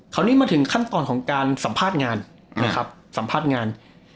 คราวนี้มาถึงขั้นตอนของการสัมภาษณ์งานนะครับสัมภาษณ์งาน